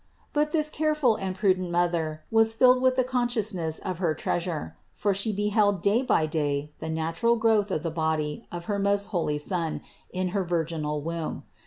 But this careful and prudent Mother was filled with the con sciousness of her Treasure; for She beheld day by day the natural growth of the body of her most holy Son in her virginal womb.